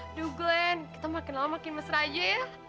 aduh glenn kita makin lama makin mesra aja ya